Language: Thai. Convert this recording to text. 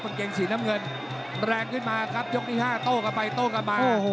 บางเกงสีน้ำเงินแรกขึ้นมาครับยกที่๕โต้กลับไปโต้กลับมา